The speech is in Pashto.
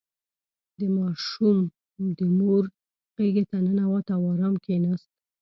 • ماشوم د مور غېږې ته ننوت او آرام کښېناست.